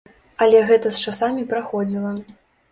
Але гэта з часамі праходзіла.